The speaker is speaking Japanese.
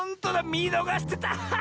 みのがしてた！